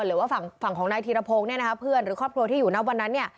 หรือว่าฝั่งของนายธิระพงหรือครอบครัวที่อยู่นับวันนั้น